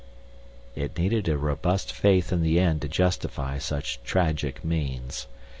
It needed a robust faith in the end to justify such tragic means.